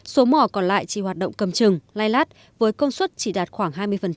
số mỏ còn lại chỉ hoạt động cầm trừng lai lát với công suất chỉ đạt khoảng hai mươi